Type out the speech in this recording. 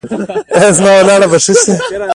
ایا زما ولاړه به ښه شي؟